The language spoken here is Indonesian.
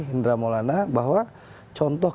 indra maulana bahwa contoh